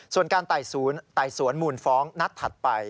ส่วนการไต่สวนมูลฟ้องนัดถัดไป